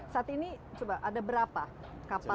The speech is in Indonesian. saat ini coba ada berapa kapal